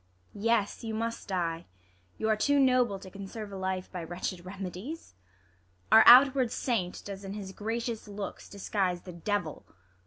Yes, you must die. You are too noble to conserve a life By wretched remedies. Our outward saint Does in his gracious looks disguise the devil.